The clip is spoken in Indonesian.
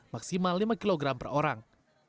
maksimal lima kilogram per orang